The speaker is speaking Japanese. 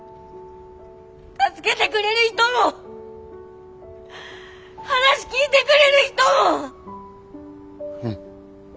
助けてくれる人も話聞いてくれる人も！